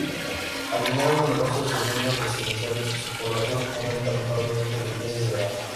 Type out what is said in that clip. Al tener numerosas segundas residencias, su población aumenta notablemente los meses de verano.